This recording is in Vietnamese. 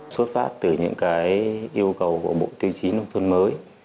xuất phát từ những cái yêu cầu của bộ tiêu chí nông thôn mới